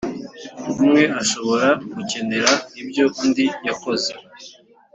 umwe ashobora gukenera ibyo undi yakoze